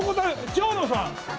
長野さん。